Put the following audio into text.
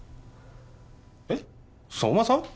えっ相馬さん？